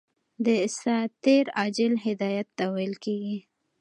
دساتیر عاجل هدایت ته ویل کیږي.